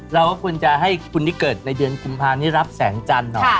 เราก็ควรจะให้คุณที่เกิดในเดือนกุมภานี้รับแสงจันทร์หน่อย